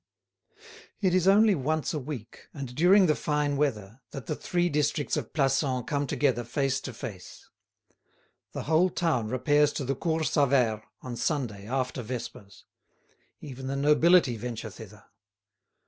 It is only once a week, and during the fine weather, that the three districts of Plassans come together face to face. The whole town repairs to the Cours Sauvaire on Sunday after vespers; even the nobility venture thither.